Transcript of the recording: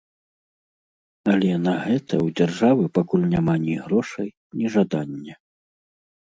Але на гэта ў дзяржавы пакуль няма ні грошай, ні жадання.